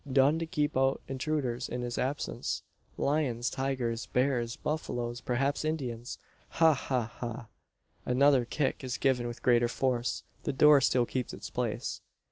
Done to keep out intruders in his absence! Lions, tigers, bears, buffaloes perhaps Indians. Ha! ha! ha!" Another kick is given with greater force. The door still keeps its place.